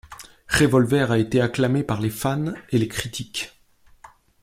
Revolver a été acclamé par les fans et les critiques.